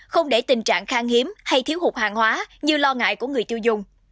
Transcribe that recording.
không để tình trạng khang hiếm hay thiếu hụt hàng hóa như lo ngại của người tiêu dùng